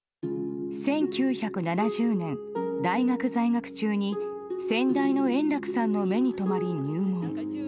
１９７０年、大学在学中に先代の圓楽さんの目に留まり入門。